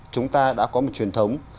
chúng ta đã có một truyền thống